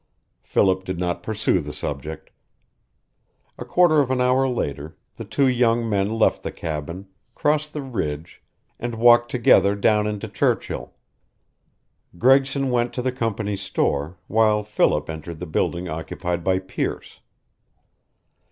Philip did not pursue the subject. A quarter of an hour later the two young men left the cabin, crossed the ridge, and walked together down into Churchill. Gregson went to the Company's store, while Philip entered the building occupied by Pearce.